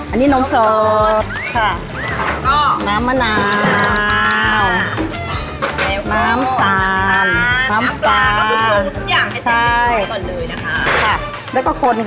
อันนี้น้ำสดน้ำมะนาวน้ำตาลน้ำปลากะพุงปลากะพุงทุกอย่างให้เจ๊มีน้ำตาลก่อนเลยนะคะ